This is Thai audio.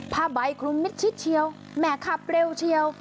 ผ้าใบคลุมมิดชิดเชียวแหมขับเร็วเชียว